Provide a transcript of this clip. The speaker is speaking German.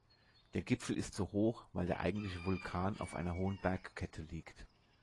Der Gipfel ist so hoch, weil der eigentliche Vulkan auf einer hohen Bergkette liegt.